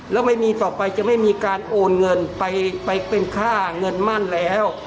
แล้วไม่มีต่อไปจะไม่มีการโอนเงินไปเป็นค่าเงินมั่นแล้ว